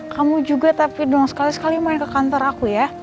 kamu juga tapi doang sekali sekali main ke kantor aku ya